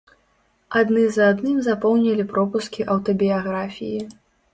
Адны за адным запоўнілі пропускі аўтабіяграфіі.